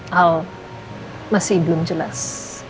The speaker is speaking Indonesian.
hal masih belum jelas